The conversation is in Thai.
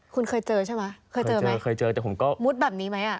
คุณเคยเจอเกิกันใช่ไหมมุดแบบนี้ไหม